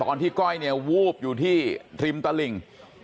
ตอนที่ก้อยวูบอยู่ที่ทริมตลิง